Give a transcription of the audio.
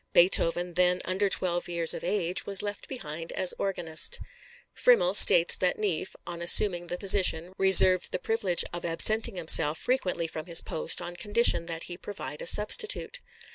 Beethoven, then under twelve years of age, was left behind as organist. Frimmel states that Neefe, on assuming the position, reserved the privilege of absenting himself frequently from his post, on condition that he provide a substitute.